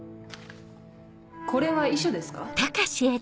これは遺書ですか？